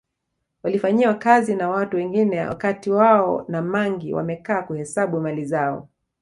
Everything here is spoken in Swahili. Walifanyiwa kazi na watu wengine wakati wao Ma mangi wamekaa kuhesabu mali zao